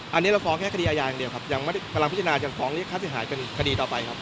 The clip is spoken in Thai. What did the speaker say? อันนี้เราฟ้องแค่คดีอาญาอย่างเดียวครับยังไม่ได้กำลังพิจารณาจะฟ้องเรียกค่าเสียหายเป็นคดีต่อไปครับ